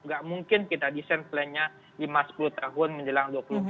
gak mungkin kita desain plannya lima sepuluh tahun menjelang dua ribu empat puluh lima